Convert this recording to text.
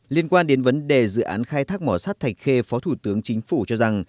liên quan đến vấn đề dự án khai thác mỏ sắt thạch khê phó thủ tướng chính phủ cho rằng